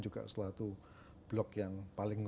juga salah satu blok yang paling